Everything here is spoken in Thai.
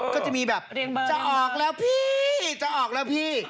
ก็จะมีแบบจะออกแล้วพี่